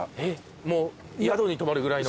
もう宿に泊まるぐらいの？